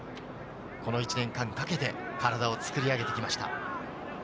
この１年間かけて体を作り上げてきました。